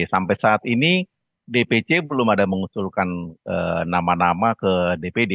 sampai saat ini dpc belum ada mengusulkan nama nama ke dpd